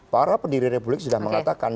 para pendiri republik sudah mengatakan